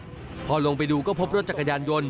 มาจากท้ายรถพอลงไปดูก็พบรถจักรยานยนต์